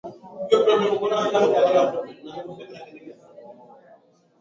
Hatua ya kuwanyonga washia ilizua machafuko katika eneo hilo hapo awali